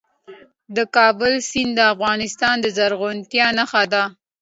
د کابل سیند د افغانستان د زرغونتیا نښه ده.